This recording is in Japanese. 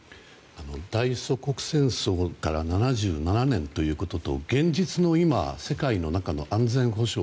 大祖国戦争から７７年ということと現実の今、世界の中の安全保障